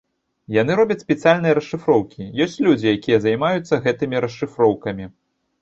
Яны робяць спецыяльныя расшыфроўкі, ёсць людзі, якія займаюцца гэтымі расшыфроўкамі.